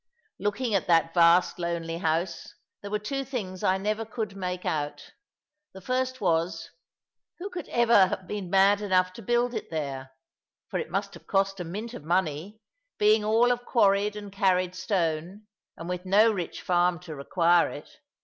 Looking at that vast lonely house, there were two things I never could make out. The first was, who could ever have been mad enough to build it there? for it must have cost a mint of money, being all of quarried and carried stone, and with no rich farm to require it.